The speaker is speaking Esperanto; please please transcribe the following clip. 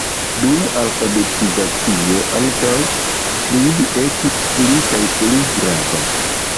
Dum alfabetizacio ankaŭ skribi ekis pli kaj pli grava.